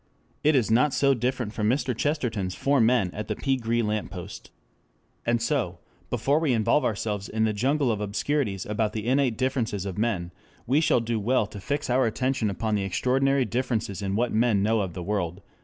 It is not so different from Mr. Chesterton's four men at the pea green lamp post. 6 And so before we involve ourselves in the jungle of obscurities about the innate differences of men, we shall do well to fix our attention upon the extraordinary differences in what men know of the world.